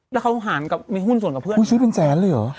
แล้วเขาหารกับมีหุ้นส่วนกับเพื่อนอุ้ยซื้อเป็นแสนเลยเหรอ